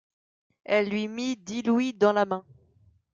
Elle lui mit dix louis dans la main.